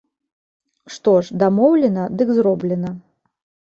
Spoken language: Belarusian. Што ж, дамоўлена, дык зроблена.